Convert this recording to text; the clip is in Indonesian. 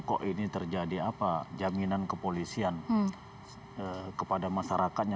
kok ini terjadi apa jaminan kepolisian kepada masyarakatnya